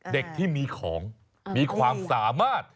เด็กที่มีของมีความสามารถ